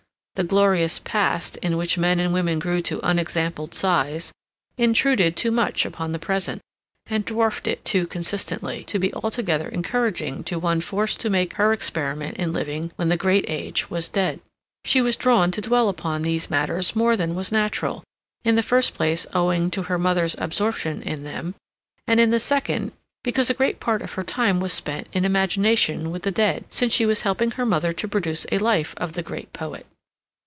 The glorious past, in which men and women grew to unexampled size, intruded too much upon the present, and dwarfed it too consistently, to be altogether encouraging to one forced to make her experiment in living when the great age was dead. She was drawn to dwell upon these matters more than was natural, in the first place owing to her mother's absorption in them, and in the second because a great part of her time was spent in imagination with the dead, since she was helping her mother to produce a life of the great poet.